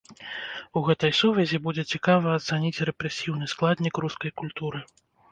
У гэтай сувязі будзе цікава ацаніць рэпрэсіўны складнік рускай культуры.